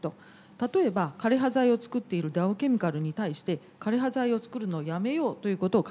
例えば枯れ葉剤を作っているダウ・ケミカルに対して枯れ葉剤を作るのをやめようということを株主に提案したりですとか